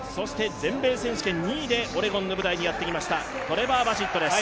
全米選手権２位でオレゴンの舞台にやってきました、トレバー・バシットです。